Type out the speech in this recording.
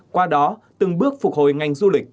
qua đó từng bước phục hồi ngành du lịch